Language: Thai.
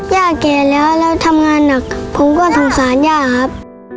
แก่แล้วแล้วทำงานหนักผมก็สงสารย่าครับ